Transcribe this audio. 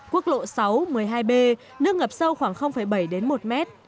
quốc lộ sáu một mươi hai b nước ngập sâu khoảng bảy đến một mét